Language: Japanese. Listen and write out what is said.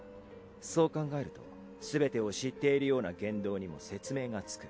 そう考えるとすべてを知っているような言動にも説明がつく。